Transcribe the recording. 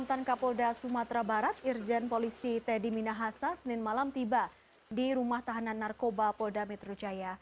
assalamualaikum pak teddy